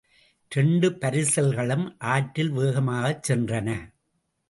இரண்டு பரிசல்களும் ஆற்றில் வேகமாகச் சென்றன.